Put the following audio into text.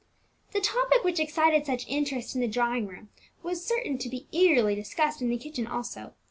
The topic which excited such interest in the drawing room was certain to be eagerly discussed in the kitchen also.